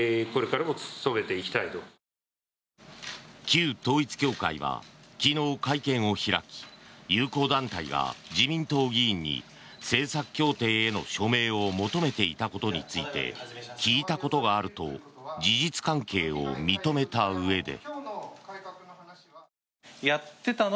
旧統一教会は昨日、会見を開き友好団体が自民党議員に政策協定への署名を求めていたことについて聞いたことがあると事実関係を認めたうえで。